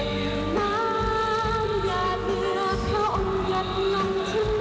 ทุกใครจะไม่อาจแพ้งแพ้ง